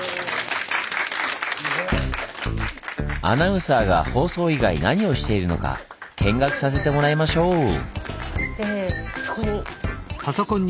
アナウンサーが放送以外何をしているのか見学させてもらいましょう。